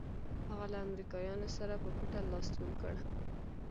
هغه له امریکایانو سره په پټه لاس یو کړ.